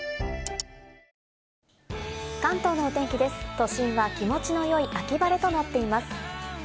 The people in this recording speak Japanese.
都心は気持ちの良い秋晴れとなっています。